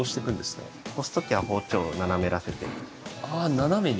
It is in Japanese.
斜めに。